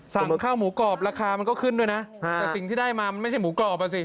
สั่งข้าวหมูกรอบราคามันก็ขึ้นด้วยนะแต่สิ่งที่ได้มามันไม่ใช่หมูกรอบอ่ะสิ